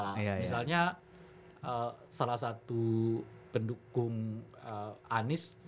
misalnya salah satu pendukung anies